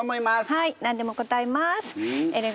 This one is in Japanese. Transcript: はい何でも答えます。